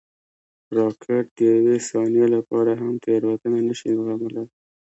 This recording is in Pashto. راکټ د یوې ثانیې لپاره هم تېروتنه نه شي زغملی